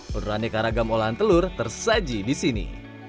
beraneka ragam olahan telur tersaji di sini